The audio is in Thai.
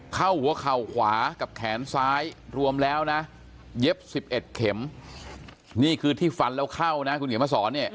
เข้าหัวเข่าขวากับแขนซ้ายรวมแล้วนะเย็บ๑๑เข็มนี่คือที่ฟันแล้วเข้านะคุณเขียนมาสอนเนี่ย